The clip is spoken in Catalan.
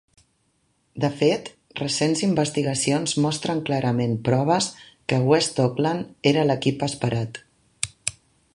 De fet, recents investigacions mostren clarament proves que West Auckland era l'equip esperat.